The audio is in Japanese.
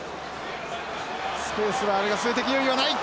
スペースはあるが数的優位はない！